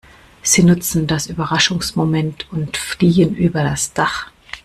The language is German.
Sie nutzen das Überraschungsmoment und fliehen über das Dach.